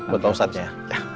buat pak ustadznya ya